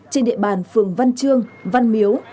trên địa bàn phường văn trương văn miếu